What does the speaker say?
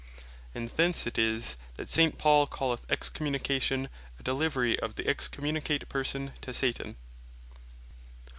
And thence it is that St. Paul calleth Excommunication, a delivery of the Excommunicate person to Satan.